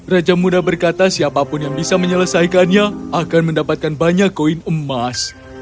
raja muda berkata siapapun yang bisa menyelesaikannya akan mendapatkan banyak koin emas